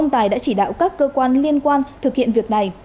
bà diệp đã chỉ đạo các cơ quan liên quan thực hiện việc này